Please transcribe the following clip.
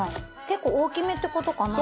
結構大きめって事かな？